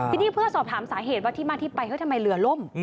ทีนี้เพื่อสอบถามสาเหตุว่าที่มาที่ไปเฮ้ยทำไมเรือล่ม